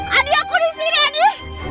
adi aku disini adi